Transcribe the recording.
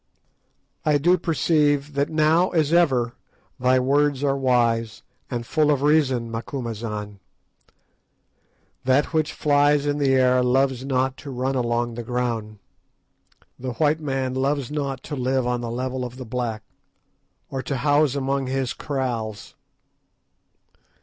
"I do perceive that now as ever thy words are wise and full of reason, Macumazahn; that which flies in the air loves not to run along the ground; the white man loves not to live on the level of the black or to house among his kraals.